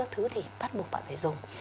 thì bắt buộc bạn phải dùng